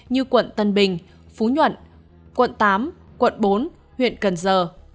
như quận tân bình phú nhuận quận tám quận bốn huyện cần giờ